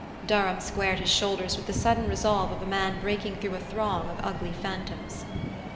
Durham squared his shoulders with the sudden resolve of a man breaking through a throng of ugly phantoms.